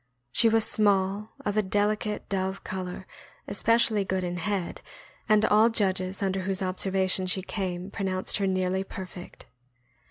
She was small, of a delicate dove color, especially good in head, and all judges under whose observation she came pronounced her nearly perfect.